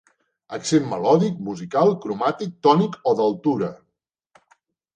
Accent melòdic, musical, cromàtic, tònic o d'altura.